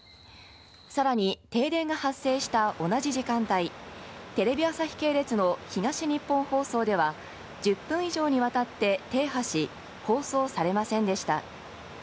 さらに、停電が発生した同じ時間帯、テレビ朝日系列の東日本放送では、１０分以上にわたって停波し、放送されませんでした。